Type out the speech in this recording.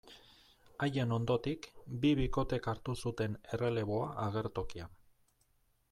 Haien ondotik, bi bikotek hartu zuten erreleboa agertokian.